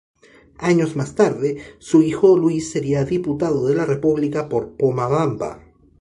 Años más tarde, su hijo Luís sería diputado de la República por Pomabamba.